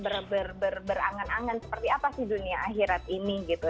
berberangan angan seperti apa sih dunia akhirat ini gitu